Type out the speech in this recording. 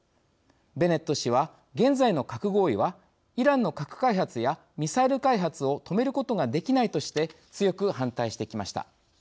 ベネット氏は現在の核合意はイランの核開発やミサイル開発を止めることができないとして強く反対してきました。